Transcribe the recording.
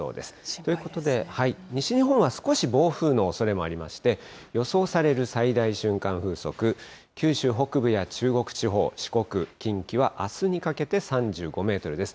ということで、西日本は少し暴風のおそれもありまして、予想される最大瞬間風速、九州北部や中国地方、四国、近畿はあすにかけて３５メートルです。